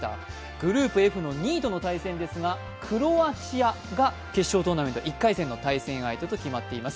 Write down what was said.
グループＦの２位との対戦ですが、クロアチアが決勝トーナメント１回戦の対戦相手と決まっています